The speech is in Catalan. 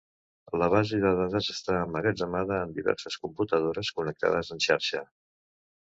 La base de dades està emmagatzemada en diverses computadores connectades en xarxa.